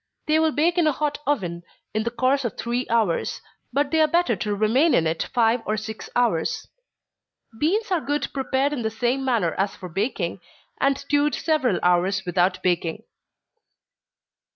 They will bake in a hot oven, in the course of three hours but they are better to remain in it five or six hours. Beans are good prepared in the same manner as for baking, and stewed several hours without baking.